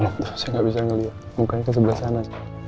udah saya gak bisa ngeliat mukanya ke sebelah sana